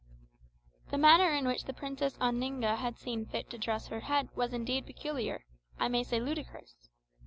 The manner in which the Princess Oninga had seen fit to dress her head was indeed peculiar, I may say ludicrous.